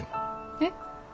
えっ？